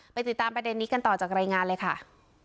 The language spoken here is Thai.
ติดตามประเด็นนี้กันต่อจากรายงานเลยค่ะ